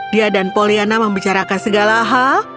dia dan poliana membicarakan segala hal